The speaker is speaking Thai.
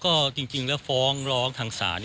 ก็จริงแล้วฟ้องร้องทางศาล